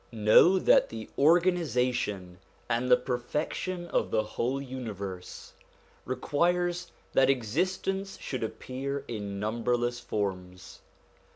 Know that the organisation and the per fection of the whole universe requires that existence should appear in numberless forms.